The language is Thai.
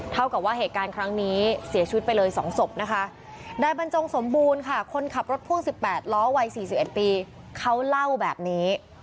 เท่ากับว่าเหตุการณ์ครั้งนี้เสียชีวิตไปเลย๒ศพนะคะนายบรรจงสมบูรณ์ค่ะคนขับรถพ่วง๑๘ล้อวัย๔๑ปีเขาเล่าแบบนี้